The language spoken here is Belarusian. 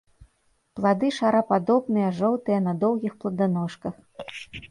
Плады шарападобныя, жоўтыя, на доўгіх пладаножках.